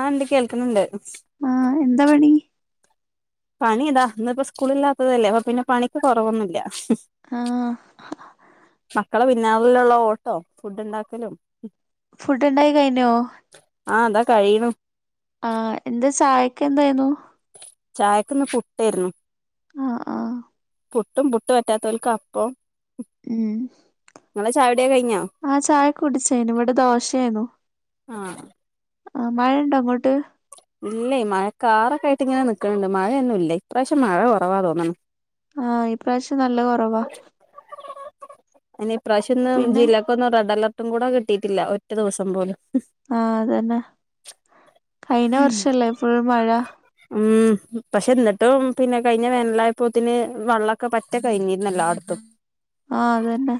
ആ ണ്ട് കേൾക്ക്‌ന്നുണ്ട്. ആ എന്താ പണി? പണി ഇതാ ഇന്നിപ്പ സ്കൂളില്ലാത്തതല്ലേ അപ്പ പിന്നെ പണിക്ക് കൊറവൊന്നുല്ല. ആ മക്കളെ പിന്നാലിലുള്ള ഓട്ടോ ഫുഡ്ണ്ടാക്കലും. ഫുഡ്ണ്ടായി കഴിനോ? ആ താ കഴിയ്ണു. ആ എന്താ ചായക്കെന്തായിനു? ചായക്കിന്ന് ഫുട്ടായിരുന്നു. ആ ആ പുട്ടും പുട്ടു പറ്റാത്തവൽക്ക് അപ്പം ങ്ങള് ചാ ആ ചായ കുടിച്ചായ്ന് ഇവിടെ ദോശാനു. ആ മഴണ്ടോ അങ്ങോട്ട്? ഇല്ലെ മഴക്കറൊക്കായിട്ടിങ്ങനെ നിക്കണണ്ട് മഴയൊന്നുല്ലെ ഇപ്രാവശ്യം മഴ കൊറവാ തോന്നണ്. ആഹ ഇപ്രാവശ്യം നല്ല കുറവാ അനിെ ഇ പ്ര്രാവശ്യം ഒന്നും ജില്ലക്ക്ൊന്നും റെഡ് അലർട്ടും കൂടെ കിട്ടിട്ടില്ല ഒറ്റ ദിവസം പോലും ആഹ അതന്നെ കഴിഞ്ഞ ഉം വർഷല്ലേ ഇപ്പോൊ മഴ ഉം പക്ഷെ എന്നിട്ടും പിന്നെ കഴിഞ്ഞ വേനലായപ്പോത്തിന് വെള്ളമൊക്കെ പറ്റ കഴിഞ്ഞിരുന്നല്ലോ അടത്തും ആഹ അതന്നെ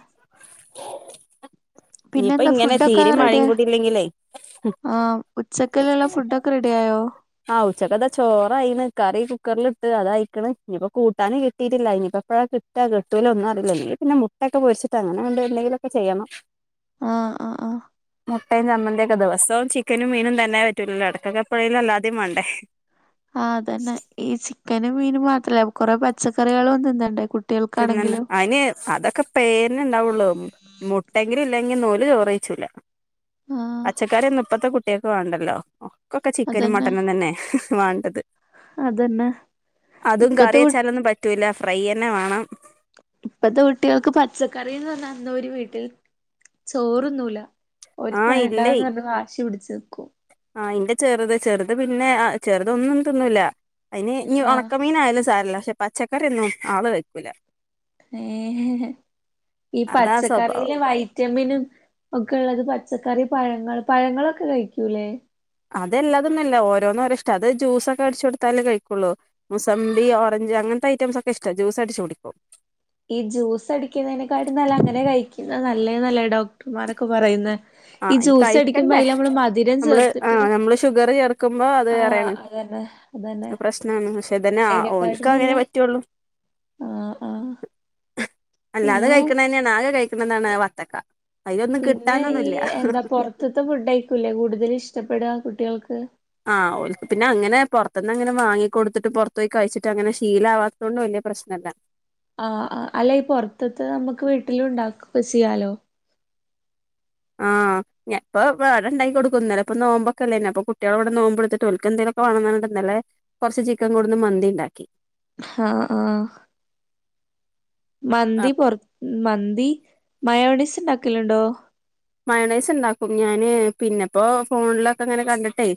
പിന്നെ ഇനിയിപ്പ എന്താ ഇങ്ങനെ ഫുഡൊക്കെ തീരെ മഴയും ആരുടെ കൂടി ഇല്ലെങ്കിലേ ആ ഉച്ചക്കിലുള്ള ഫുഡൊക്കെ ടയായോ ആഹ് ഉച്ചക്കതാ ചോറായിയിണ് കറി കുക്കറില ഇട്ട് അതായിക്കണ് ഇനിയിപ്പോ കൂട്ടാനും കിട്ടിയിട്ടില്ല ഇനിയിപ്പോപ്പോഴാ കെട്ടലന്നും അല്ലീ പിന്നെ മുട്ട ഒക്കെ പൊരിച്ചിട്ടങ്ങനെ കൊണ്ട് എന്തെങ്കിലൊക്കെ ചെയ്യണം ആഹ് ആഹ് ആഹ് മുട്ടയും ചമ്മന്തിയ ഒക്കെ ദിവസവും ചിക്കനും മീനും തന്നെ പറ്റൂലല്ലോ അട കട്ടകപ്പുഴയില അല്ലാത മാണ്ടേ ആ അതന്നെ ഈ ചിക്കനും മീനും മാത്രല്ല കൊറെ പച്ചക്കറികളും തിന്നണ്ടേ കുട്ട പിതിന്നെ അതിന് അതൊക്കെ പേരിന് ഉണ്ടാവുള്ളു ണ്ടങ്കിലും ഇല്ലെങ്കിൽ ഓല് ചോറയ്ച്ചുല ആഹ് പച്ചക്കറി ഒന്ന് ഇപ്പത്തെ കുട്ടിയൊക്കെ വേണ്ടല്ലോ ഒക്കെ ചിക്കനും അതന്നെ മട്ടനും തന്നെ വണ്ടത് അതന്നെ അതും ഇപ്പത്തെ കു കറിയച്ചാലൊന്നും പറ്റൂല്ല ഫ്രൈ ന്നെ വേണം ഇപ്പത്തെ കുട്ടികൾക്ക് പച്ചക്കറിന്ന് പറഞ്ഞ അന്നൂര് വീട്ടിൽ ചോറൊന്നൂല ആ ഇല്ലേ നിക്കും ആ ഇന്റെ ചെറുതെ ചെറുത അത് പിന്നെ ചെറുതൊന്നും തിന്നൂില്ല അതിന് ആഹ് ഉണക്കമീനായാലും സാരല്ലേ പക്ഷെ പച്ചക്കറൊന്നും ആള് വെക്കൂല ഏ ഈ അതാ സ്വഭാവം പച്ചക്കറിയിലെ വൈറ്റമിനും ഒക്കെ ഉള്ളത് പച്ചക്കറി പഴങ്ങൾ പഴങ്ങളൊക്കെ കഴിക്കൂലേ അതെല്ലാതൊന്നുല്ല ഓരോന്നോരോ ഇഷ്ട അത് ജ്യൂസൊക്കെ അടിച്ചു കൊടുത്താലേ കഴിക്കുള്ളൂ മുസമ്പി ഓറഞ്ച് അങ്ങനത്തെ ഐറ്റംസ് ഒക്കെ ഇഷ്ടമാണ് ജ്യൂസ് അടിച്ചു കൊടിക്കും ഈ ജ്യൂസ് അടിക്കുന്നതിനെക്കാട്ടും നല്ല അങ്ങനെ കഴിക്കുന്നത് നല്ല നല്ല ഡോക്ടർമാരൊക്കെ പറയുന്ന ആഹ് ഈ ഇനി ജ്യൂസ് അടിക്കുമ്പോ കഴിക്കണ്ടേ അതിൽ നമ്മള് മധുരം നമ്മള് ചേർത്തിട്ട് ആഹ് നമ്മള് ഷുഗർ ചേർക്കുമ്പോ അത് ആഹ വേറെയാണ് അതന്നെ അതന്നെ പ്രശ്നാണ് പക്ഷെ ഇതന്നെ ഓൻക്ക് അങ്ങനെ അതിനൊക്കായിട്ടന്നല്ലേ പറ്റുള്ളൂ ആ ആ അല്ല അത് കഴിക്കണ തന്നെയാണ് ആകെ കഴിക്കണതാണ് വത്തക്ക കയ്യൊന്നും പിന്നെ ഈ കിട്ടാനൊന്നുംല്ല എന്താ പുറത്തത്തെ ഫുഡ് അയിക്കൂലേ കൂടുതലും ഇഷ്ടപ്പെടുക കുട്ടികൾക്ക് പെട്ടന്ന് അങ്ങനെ വാിിക്ക കൊടുത്തിട്ട് പുറത്ത പോയി കഴിച്ചി്ങ്ങനെ ശീലാവാത്തത കൊണ്ട് വലിയ പ്രശ്നംല്ല ആഹ അല്ല പൊറത്തത്ത് നമ്മുക്ക് വീട്ടില ഉണ്ട പസിയാലോ ആഹ്ഞ ഇപ്പ വാടണ്ടായി കൊടുക്കും ഇപ്പ നോമ്പോൊക്കല്ലേന്നെപ്പൊ കുട്ടികള ഇവിടെ നോമ്പോടുത്തിട്ട്ോക്ക് എന്തലും വില്ലെ കൊറച്ച് ചിക്കൻ കൂടെന്ന് മന്തി ഉണ്ടാക്കി ആഹ ആഹ മന്തി പൊറ മന്തി മയോണിസ് ഉണ്ടാക്കലുണ്ടോ മയണൈസ് ഉണ്ടാക്കും ഞാന് പിന്നെപ്പോ ഫോണിലൊക്കെ അങ്ങനെ കണ്ടിട്ടേ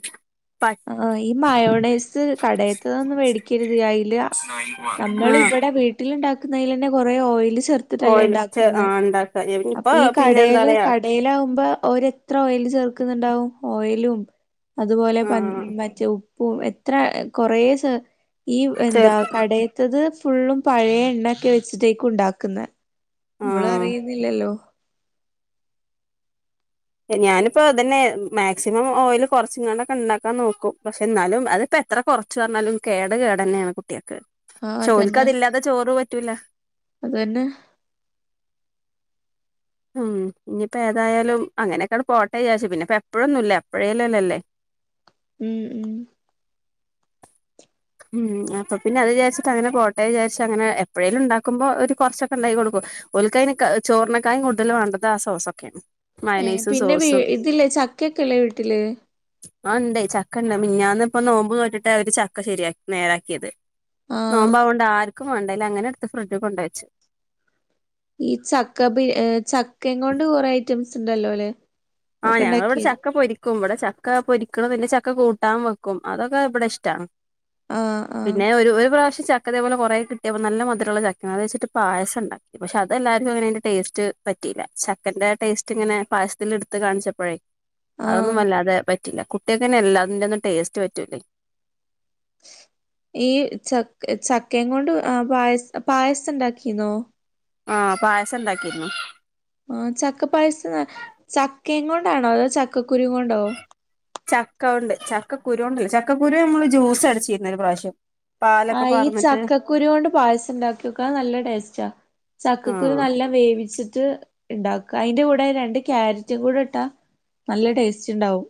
പ ആ ഈ മയോണൈസ് കടയത്ത ഒന്നും മേടിക്കരുത് അതില് ആ നമ്മൾ ഇവിടെ വീട്ടിൽ ഉണ്ടാക്കുന്നതിൽ തന്നെ കൊറെ ഓയിയില് ചേർത്തിട്ടല്ലേ ഓയിൽ ഉണ്ടാക്കുന്ന ആ ഉണ്ടാക്ക അപ്പൊ ഇപ്പൊ ഈ പിന്നെ എന്താ കടൽ പറയാ കടൽ ആാവുമ്പോ ഓര്ത്ര ഓയിയില് ചേർക്കുന്നുണ്ടാവും ഓയിലും അതുപോലെ ആ പ മറ്റേ ഉപ്പും എത്ര കൊറ ഈ ചെറു എന്താ കടയത്തത് ഫുള്ളും പഴയ എണ്ണ ഒക്കെ വെച്ചിട്ടേക്ക് ഉണ്ടാക്കുന്ന നമ്മൾ ആഹ് അറിയുന്നില്ലല്ലോ ഞാനിപ്പോതന്നെ മാക്സിമം ഓയിൽ കുറച്ച ഇങ്ങാൊക്കെ ഉണ്ടാക്കാൻ നോക്കും പക്ഷെ എന്നാലും അതിപ്പോ എത്ര കുറച്ച് പറഞ്ഞാലും കേട ക ടന്നെയാണ് കുട്ടികൾക്ക് ഷോലക്ക് അതി ഇല്ലാതെ ചോറ പറ്റൂല അത്തന്നെ ഉം ഇനിയിപ്പോ ഏതായാലും അങ്ങനെയൊക്കെയാണ് കോട്ട ചാച്ചത് പിന്നെ എപ്പോഴൊന്നുമല്ല എപ്പോഴേല്ലല്ലോ അല്ലേ ഉം ഉം ഉം അപ്പൊ പിന്നെ അ വിചാരിച്ചട്ട് അങ്ങനെ കോട്ടയ വിചരിച്ചച്ച് അങ്ങനെ എപ്പോഴേലും ഉണ്ടാക്കുമ്പോ ഒരു കുറച്ചൊക്കെ ഉണ്ടായി കൊടുക്കും ഒലകയിൻ കായന് ചോർണക്കായം കൂടുതൽ വേണ്ടത് ആ സോസ ഒക്കെയാണ് ഏ പിന്നെ ഇതില്ലേ ചക്കയൊക്കെല്ലേ വീട്ടില് ആ് ഉണ്ടായി ചക്ക ഉണ്ട മന്നന്ന ഇപ്പ നോമ്പ് കേട്ടിട്ട് അവര് ചക്ക ശരിയാി നേരാക്കിയത് ആഹ് നോമ്പ അുകൊണ്ട് ആർക്കും വേണ്ടേല അങ്ങനെ അടുത്ത് ഫ്രിഡ്ജ് കൊണ്ടുവെച്ചു ഈ ചക്ക പി ചക്കയും കൊണ്ട് കുറെ ഐറ്റംസ് ഉണ്ടല്ലോ അല്ലെ ആ ഞങ്ങളവിടെ ചക്ക പൊരിക്കും്പോടെ ച ഒക്ക പൊരിക്കണതിന്റെ ചക്ക കൂട്ടാൻ വെക്കും അതൊക്കെ ഇവിടെ ഇഷ്ടാണ് ആഹ് ആഹ് പിന്നെ ഒരു ഒരു പ്രാവശ്യം പക്ഷ ചക്കതേപലെ കുറേ കിട്ടിയപ്പോ നല്ല മധരുള്ള ചക്ക അത് വെച്ചി് പായം ഉണ്ടാക്കി പക്ഷ അ എല്ലാവർക്കും അനെൻ് ടേസ്റ്റ് പറ്റിയില്ല ചക്കന്റെ ടേസ്റ്റ് ഇങ്ങനെ പായസത്തിൽ എടുത്ത് കാണിച്ചപ്പോഴേ ആഹ് അതൊന്നുംമല്ലാതെ പില്ല കുട്ടികക്കെ എല്ലാതിറെ ഒന്നും ടേസ്റ്റ് പറ്റൂല്ലേ [unintelligible] ഈ ച ചക്കയും കൊണ്ട് ആ പായസ പായസം ഉണ്ടാക്കിന്നോ ആ പായസം ഇണ്ടാക്കിരുന്നു ആ ചക്ക പായസം ചക്കയും കൊണ്ടാണോ അതോ ച ചക്ക ഉണ്ട് ചക്ക ചക്കരുണ്ട ചക്കുരു നമ്മള് ജൂസ് അടിച്ചിരുന്ന ഒരു പ്രാവശ്യം ആ പാലൊക്കെ ഈ പാർന്നിട്ട് ചക്കക്കുരി കൊണ്ട് പായസം ഉണ്ടാക്കി വെക്കാ നല്ല ടേസ്റ്റാ ചക്കക്കുരു ആഹ് നല്ല വേവിച്ചിട്ട് ഉണ്ടാക്ക അതിന്റെ കൂടെ രണ്ട് കക്യാരറ്റും കൂടെ ഇട്ടാ നല്ല ടേസ്റ്റ് ണ്ടാവും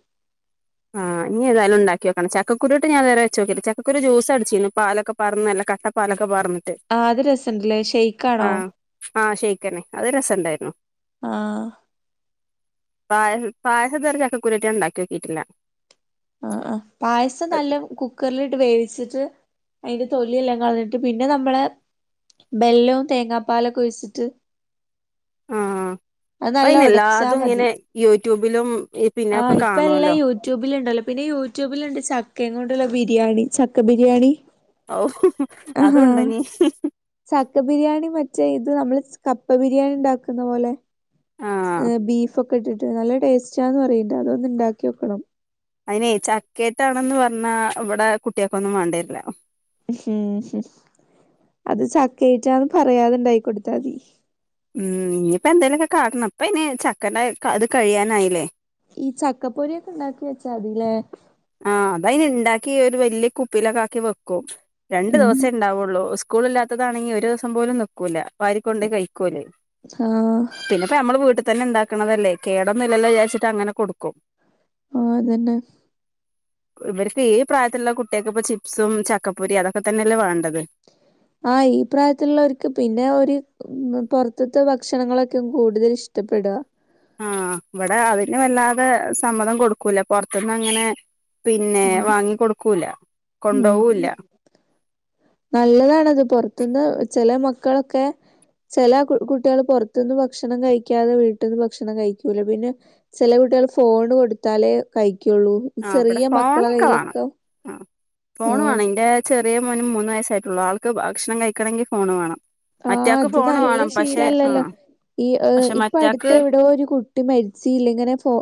ആഹ്ീ ഏതായും ഉണ്ടാക്കിോക്കണം ചക്കരു ഇട്ട ഞാൻ വച്ച നോക്കില്ല ചക്കുരു ജൂസടിച്ചിരുന്നു പാലൊക്കെ പറഞ്ഞു നല്ല കട്ടപ്പാലൊക്കെ പറാർന്നിട്ട് ആഹ് അത് രസണ്ടല്ലേ ആ ഷെയ്ക്കാണോ ആ ശരിക്കനെ അത് രസ ആ പായ പായസം റച്ചൊക്കെ കുരറ്റിയ ഉണ്ടാക്കി വെക്കിയിട്ടില്ല ആ ആ പായസം നല്ല കുക്കറിലിട്ട് വേവിച്ചിട്ട് [unintelligible] അതിന്റെ തൊല്ിയെല്ലാം കളന്നിട്ട് പിന്നെ നമ്മള ബെല്ലവും തേങ്ങാപ്പാലൊക്കെ ഒഴിച്ചിട്ട് ആആ അത് നല്ല അയിന് എല്ലാതും ഇങ്ങനെ യൂട്യൂബിലും പിന്നെ ആ ഒക്കെ ഇപ്പൊ എല്ലാം കാണുവല്ലോ യൂട്യൂബിൽ ഉണ്ടല്ലോ പിന്നെ യൂട്യൂബിലുണ്ട് ക്ക എങ്ങ കൊണ്ടുള്ള ബിരിയാണി ചക്ക ബിരിയാണി ഓ ഹ സാക്ക ബിരിയാണി മറ്റ [unintelligible] ഇത് നമ്മള് കപ്പ ബിരിയാണി ഉണ്ടാക്കുന്ന പോലെ ആഹ് ബീഫൊക്കെ ഇിട്ട് നല്ല ടേസ്റ്റാന്ന് പറയിണ്ട അതൊന്നന്ന് ണ്ടാക്കി വെക്കണം അനേ ചക്കേട്ടാണന്ന് പറഞ്ഞാ ഇവിടെ കുട്ടികക്ക ഒന്നും വേണ്ടേരില്ല [unintelligible] അത് ചക്കയിറ്റാന്ന് പറയാതണ്ടായി കൊടുത്താതി ഉം ഇനിയിപ്പ എന്തേലുമൊക്കെ കാട്ടണം അപ്പ ഇനി ചക്കന്റെ അത് കഴിയാനായില്ലേ ഈ ചക്കപ്പൊരി ഒക്കെ ണ്ടാക്കി വെച്ചാ അതിലേ ആ അത അന് ഉണ്ടാക്കി ഒരു വലിയ കുപ്പിലൊക്കെ ആക്കി വെക്കും രണ്ടു ഉം ദിവസംേ ഉണ്ടാവുള്ളൂ സ്കൂള ഇല്ലാത്തതാണെിൽ ഒരു ദിവസം പോലും നോക്കൂല്ല വാരി കൊണ്ടോയി ആഹ് [unintelligible] ന്നെപ്പ നമ്മൾ വീട്ട തന്നെ ഉണ്ടാക്കണതല്ലേ കേടന്ന ഇല്ലോ വിചാരിച്ചിട്ട് അങ്ങനെ കൊടുക്കും ആ അതന്നെ ഇവർക്ക് ഈ പ്രായത്തിലുള്ള കുട്ടികക്ക് ഇപ്പ ചിപ്സും ചക്കപ്പൊരി അതൊക്കെ തന്നെയല്ലേ വേണ്ടത് ആ ഈ പ്രായത്തിലുള്ളവർക്ക് പിന്നെ ഒരു പുൊറത്തത്തെ ഭക്ഷണങ്ങളൊക്കെ കൂടുതൽ ഇത്തപ്പെട ആ ഇവിടെ അതിന് വല്ലാതെ സമ്മതം കൊടുക്കൂല പുൊറത്തുന്ന് അങ്ങനെ പിന്നെ വാങ്ങിിക്ക കൊടുക്കൂല മ കൊണ്ടോവൂല്ല നല്ലതാണത് പുൊറത്തുനിന്ന് ചെില മ മക്കളൊക്കെ ചെല കു കുട്ടികള് പുറത്തു നിന്ന് ഭക്ഷണം കഴിക്കാതെ വീട്ടിന്ന് ഭക്ഷണം കഴിക്കൂല പിന്നെ ചെല കു കുട്ടിയേള് ഫോണ് കൊടുത്താലേ കഴിക്കുള്ളൂ ആഹ് ഇവിടെ ചെറിയ മക്കള ഫോണൊക്കെ വേണം കൈയിലൊക്കം ആഹ് ഫോണ് വേണം എന്റെ ചെറിയ മോനും മൂന്ന് വയസ്സായിട്ടുള്ളൂ ആൾക്ക് ഭക്ഷണം കഴിക്കണമെങ്കിൽ ഫോണ് വേണം ആഹ് മറ്റാക്ക് അത് ഫോണ് നല്ല വേണം ശീല പക്ഷെ ആ അല്ലല്ലാ ഈ പക്ഷെ ഇപ്പൊ അടുത്ത് മറ്റാക്ക് എവിടോരു കുട്ടി മരിച്ചീല്ലേ ഇങ്ങനെ ഫോ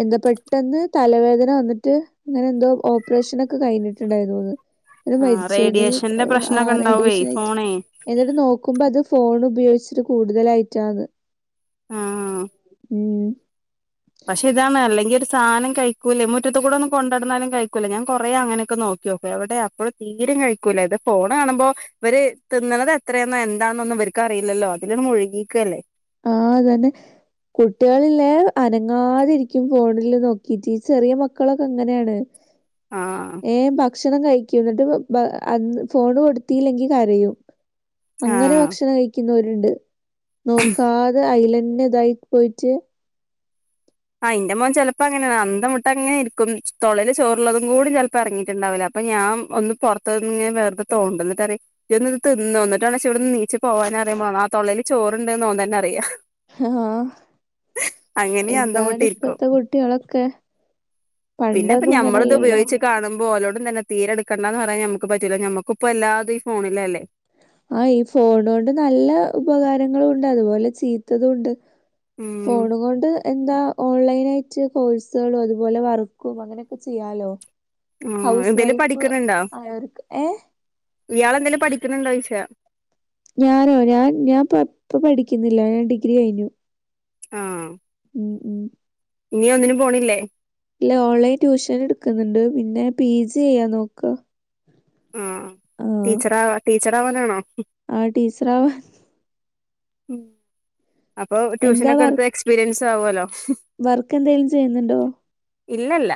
എന്താ പെട്ടെന്ന് തലവേദന വന്നിട്ട് അങ്ങനെ എന്തോ ഓപ്പറേഷനൊക്കെ കഴിഞ്ഞിട്ടുണ്ടായിന്ന് തോന്ന് എന്ന് ആ മരിച്ചു നീ റേഡിയേഷന്റെ ആ പ്രശ്നമൊക്കെ ഉണ്ടാവേ റേഡിയേഷൻ ആയിറ്റ് ഫോണേ എന്നിട്ട് നോ ക്കുമ്പം അത് ഫോൺ ഉപയോഗിച്ചിട്ട് കൂടുതലായിറ്റാന്ന് ആ ഉം പക്ഷെ ഇതാണ് അല്ലെങ്കിൽ സാധനം കഴിക്കുവല്ലേ മുറ്റത്ത് കൂടെ ഒന്നും കൊണ്ട നടന്നാലും കഴിക്കുവല്ലേ ഞാൻ കൊറെ അങ്ങനെക്കെ നോക്കിനോക്കുവേ അവിടെ അപ്പോഴ് തീരെ [unintelligible] കഴിക്കൂലോ ഇത് ഫോൺ കാണുമ്പോ ഇവര് തിന്നണത് എത്രയാന്നാ എന്താന്നൊന്നും ഇവരിക്ക് അറിയില്ലോ അതിനെന്നു നുള്ളി ഇക്കല്ലേ ആഹ് അതന്നെ കുട്ടികളല്ലേ അനങ്ങാതിരിക്കും ഫോണില് നോക്കീറ്റ് ചെറിയ മക്കളൊക്ക ഇങ്ങനെയാണ് ആ ഭക്ഷണം കഴിക്കും എന്നിട്ട് ബാ അന്ന് ഫോണു കൊടുത്തീല്ലെങ്കിൽ കരയും അങ്ങനെ ആ ഭക്ഷണം കഴിക്കുന്നവരുണ്ട് നോക്കാതെ ഐലൻ പിന്നെതായി പോയിറ്റ് ആയ്ന്റെ മോൻ ചെലപ്പോ അങ്ങനെയാണ് അന്ധം വിട്ടങ്ങനെ ഇരിക്കും തെളേല് ചോറള്ളതും കൂടി ചിലപ്പോയെറങ്ങിട്ടുണ്ടാവില്ല അപ്പൊ ഞാൻ ഒന്ന് പൊറത്തീങ്ങനെ വെറുതോണ്ടുന്നിട്ടാരേ എന്നിത് തിന്നോ എന്നിട്ടാണേ ചെവിടെന്ന് നീച്ചു പോകാനും [unintelligible] പോള ആ തൊള്ളേല് ചോറുണ്ടേന്ന് ഓൻ തന്നറിയാം ആഹ് അങ്ങനെ അന്തം എന്താണ് വിട്ടിരിക്കും ഇപ്പത്തെ കുട്ടികളൊക്കെ പിന്നെ ഇപ്പൊ പണ്ടൊന്നും ഞമ്മളിത് ഇങ്ങനല്ലല്ലോ. ഉപയോഗിച്ച് കാണുമ്പോ ഓലോടും തന്നെ തീരെ എടുക്കണ്ടന്ന് പറയാൻ ഞമ്മക്ക് പറ്റൂല്ല ഞമ്മക്കുപ്പോ എല്ലാതും ഈ ഫോണില്ലല്ലേ ആ ഈ ഫോണ്കൊണ്ട് നല്ല ഉപകാരങ്ങളും ഉണ്ട് അതുപോലെ ചീത്തതും ഉണ്ട് ഉം ഫോണ്കൊണ്ട് എന്താ ഓൺലൈനായിറ്റ് കോഴ്സുകളും അതുപോലെ വർക്കും അങ്ങനെയൊക്കെ ചെയ്യാലോ മ് ഹൗസ് എന്തേലും വൈഫ് പഠിക്കണിണ്ടാ ആയവർക്ക് ഏഹ് ഇയാള് എന്തേലും പഠിക്കണുണ്ടാച്ച് [unintelligible] ഞാനോ ഞാൻ ഞാൻ പ്പം ഇപ്പ പഠിക്കുന്നില്ല ഞാൻ ഡിഗ്രി കഴിഞ്ഞു ആഹ് ഉം ഉം ഇനി ഒന്നിനും പോണില്ലേ ഇല്ല ഓൺലൈൻ ട്യൂഷൻ എടുക്കുന്നുണ്ട് പിന്നെ പി ജി ചെയ്യാൻ നോക്കാ ആ ടീച്ചർ ആ ടീച്ചർ ആവാനാണോ ആ ടീച്ചറാവ ഉം അപ്പൊ ട്യൂഷനൊക്കെ വർ എടുത്ത് എക്സ്പീരിയൻസ് ആവോല്ലോ വർക്ക് എന്തെലും ചെയ്യുന്നുണ്ടോ ഇല്ലല്ല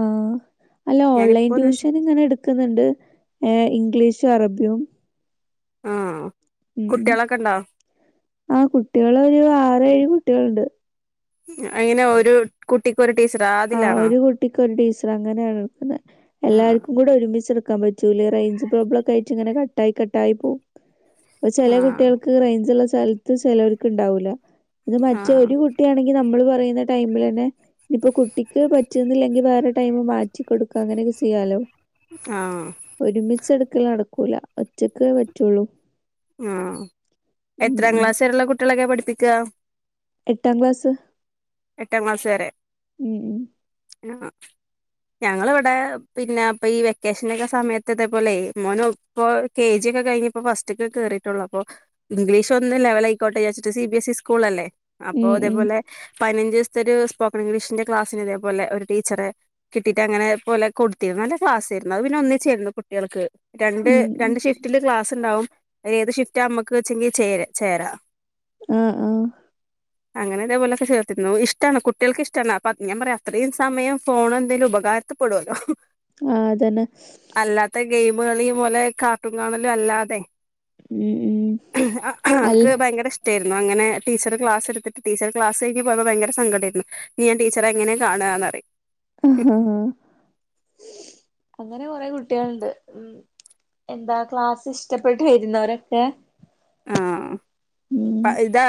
ആ അല്ല ഓൺലൈൻ ഞാനിപ്പോ ഒന്നും ചെ ട്യൂഷൻ ഇങ്ങനെ എടുക്കുന്നുണ്ട് ഏ ഇംഗ്ലീഷ് ഷും അറബിയും ആ ഉം കുട്ടികളൊക്കെ ഉണ്ടോ ആ കുട്ടികള് ഒരു ആറേഴ് കുട്ടികളുണ്ട് അങ്ങനെ ഒരു കുട്ടി ആഹ് ഒരു കുട്ടിക്ക് ഒരു ടീച്ചറ് അങ്ങനെയാണ് എടുക്കുന്നത് ആ എല്ലാർക്കും കൂടെ ഒരുമിച്ചെടുക്കാൻ പറ്റൂലേ റേയ്ഞ്ച് പ്രോബ്ലക്കായിട്ട് ഇങ്ങനെ കട്ടായി കട്ടായി പോവും ചെല ആ കുട്ടികൾക്ക് റെയ്ഞ്ചൽ സ്ഥലത്ത് ചിലർക്ക് ഉണ്ടാവൂല ഇത് ആ മറ്റേ ഒരു കുട്ടിയാണെങ്കിൽ നമ്മള് പ പറയുന്ന ടൈമില് തന്നെ നിക്കുകു ട്ടിക്ക് പറ്റുന്നില്ലെങ്കിൽ വേറെ ടൈമ് മാറ്റി കൊടുക്ക അങ്ങനെയൊക്കെ ചെയ്യാലോ ആ ആ ഒരുമിച്ച് എടുക്കല് നടക്കൂല ഒറ്റക്ക് പറ്റുള്ളൂ ആ ഉം എത്രാം ഉം. ക്ലാസ്സ് വരെയുള്ള കുട്ടികളയൊക്കെയാ പഠിപ്പിക്കുക എട്ടാം ക്ലാസ് എട്ടാം ക്ലാസ്സ് വരെ, ഉം ഉം. ആ [unintelligible] ഞങ്ങൾ ഇവിടെ പിന്നെ അപ്പൊ ഈ വെക്കേഷൻ ഒക്കെ സമയത്ത് ഇതേ പോലെ മോന് ഇപ്പൊ കെ ജി ക്കെ കഴിഞ്ഞപ്പോ, ഫസ്റ്റിലേക്ക് കേറിട്ടുളള് അപ്പോ ഇംഗ്ലീഷ് ഒന്ന് ലെവൽ ആയിക്കോട്ടെ വിചാരിച്ചിട്ട് C B S E school അല്ലേ. അപ്പൊ ഉം ഉം. അതേപോലെ പതിനഞ്ച് ദിവസത്തെ ഒരു സ്പോക്കൺ ഇംഗ്ലീഷിന്റെ ക്ലാസിിനന് ഇതേോലെ ഒരു ടീച്ചറെ കിട്ടിയിട്ട് അനെ പോലെ കൊടുത്തിരുന്നു നല്ല ക്ലാസ്സായിരുന്നു അത് പിന്നെ ഒന്നിച്ചായിരുന്നു കുട്ടികൾക്ക്. രണ്ട് ഉം ഉം. രണ്ട് ഷിഫ്റ്റില് ക്ലാസ് ഉണ്ടാവും, അതിൽ ഏത് ഷിഫ്റ്റാ നമ്മക്ക് വെച്ചെങ്കിൽ ചേരാം ആ, ആ അങ്ങനെ ഇതേപോലൊക്കെ ആയിരുന്നു, ഇഷ്ടാണ് കുട്ടികൾക്ക് ഇഷ്ടാണ്, അപ്പൊ ഞാൻ പറയാ അത്രയും സമയം ഫോൺ എന്തേലും ഉപകാരപ്പെടുവല്ലോ. ആ, അതന്നെ [unintelligible] പോലെ കാർട്ടുൺ കാണലും അല്ലാതെ ഉം ഉം. അല്ല ആൾക്ക് ഭയങ്കര ഇഷ്ടമായി അങ്ങനെ ടീച്ചർ ക്ലാസ്സ് എടുത്തിട്ട് ടീച്ചർ ക്ലാസ്സി പോയപ്പോ ഭയങ്കര സങ്കടം ആയിരുന്നു, ഇനി ആ ടീച്ചറെ എങ്ങനെ കാണാന്ന് പറയും. ആ, ആ, ആ അങ്ങനെ കൊറെ കുട്ട്യേള്ണ്ട്. എന്താ ക്ലാസ്സ് ഇഷ്ടപ്പെട്ട് വര്ന്നോ രൊക്കെ. ആ, ഇതാ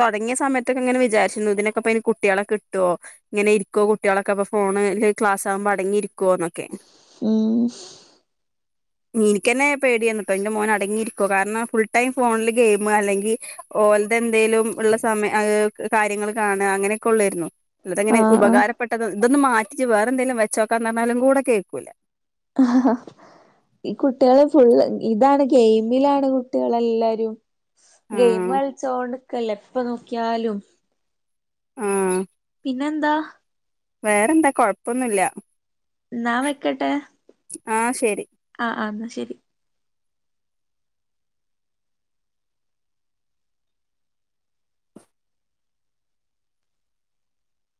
തൊടങ്ങിയ സമയത്തൊക്കെ ഇങ്ങനെ വിചാരിച്ചരുന്നു, ഇതിനൊക്കെ ഇപ്പോ കുട്ടികളെ കിട്ടോ, ഇങ്ങനെ ഇരിക്കോ കുട്ടികളൊക്കെ അപ്പൊ ഫോണ് ക്ലാസ് ആകുമ്പോ അടങ്ങിയിരിക്കുവോന്നൊക്കെ. ഉം എനിക്കന്നെ പേടിയാന്നിട്ടോ, എന്റെ മോൻ അടങ്ങിയിരിക്കുവോ കാരണം ഫുൾ ടൈം ഫോണിൽ ഗെയിം അല്ലെങ്കിൽ ഓൽത് എന്തെലും ഉള്ള സമയ കാര്യങ്ങൾ കാണ അങ്ങനെ ക്കൊള്ളാരുന്നു. അല്ലതെങ്ങനെ ആ ഉപകാരപ്പെട്ടത് ഇതൊന്ന് മാറ്റ് വേറെന്തെങ്കിലും വെച്ചോക്കാന്ന് പറഞ്ഞാലും കൂടെ കേൾക്കൂല. ആ ഈ കുട്ട്യേള് ഫുള്ള്, ഇതാണ് ഗെയിമിലാണ് കുട്ട്യേള് എല്ലാരും. ഗെയിം ആഹ് കളിച്ചോണ്ട് നിക്കല്ലേ എപ്പ നോക്കിയാലും ആ പിന്നെന്താ വേറെന്താ കൊഴപ്പൊന്നുല്ല. ന്നാ വെക്കട്ടെ, ആഹ് ശരി ആ ആ എന്നാ ശരി.